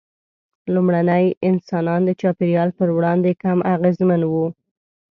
لومړني انسانان د چاپېریال پر وړاندې کم اغېزمن وو.